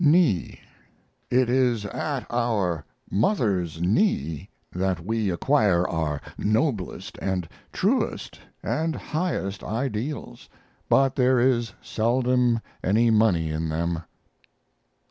KNEE It is at our mother's knee that we acquire our noblest & truest & highest ideals, but there is seldom any money in them.